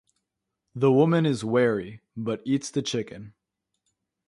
The woman is wary, but eats the chicken.